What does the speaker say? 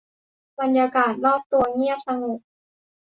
บรรยากาศรอบตัวเงียบสงบ